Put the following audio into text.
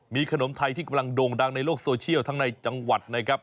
มีขนมไทยที่กำลังโด่งดังในโลกโซเชียลทั้งในจังหวัดนะครับ